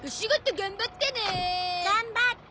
頑張ってね。